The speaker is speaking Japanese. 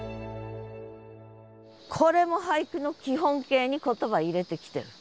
これも俳句の基本形に言葉入れてきてる。